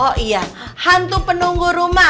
oh ini ulang inspirational ya mendengar saya ya kan